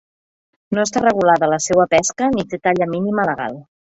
No està regulada la seua pesca ni té talla mínima legal.